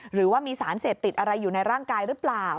หรือว่ามีสารเสพติดอะไรอยู่ในร่างกายหรือเปล่า